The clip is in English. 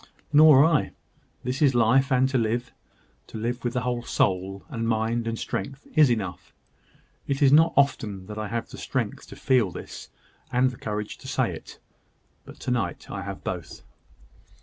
"Nor I. This is life: and to live to live with the whole soul, and mind, and strength, is enough. It is not often that I have strength to feel this, and courage to say it; but to night I have both."